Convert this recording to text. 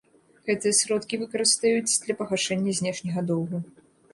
Гэтыя сродкі выкарыстаюць для пагашэння знешняга доўгу.